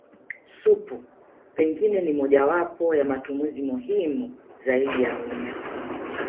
Supu pengine ni mmojawapo ya matumizi muhimu zaidi ya mimea